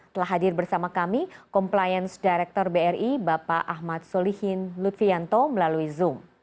telah hadir bersama kami compliance director bri bapak ahmad solihin lutfianto melalui zoom